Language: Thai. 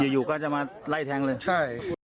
อยู่ก็จะมาไล่แทงเลยใช่